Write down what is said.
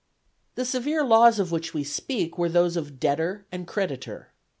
The severe laws of which we speak were those of debtor and creditor.